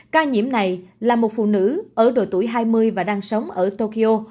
ca nhiễm này là một phụ nữ ở độ tuổi hai mươi và đang sống ở tokyo